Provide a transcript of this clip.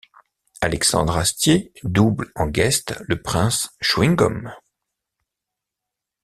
Alexandre Astier double en guest le prince Chewing-Gum.